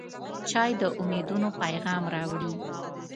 چای د امیدونو پیغام راوړي.